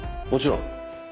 もちろん。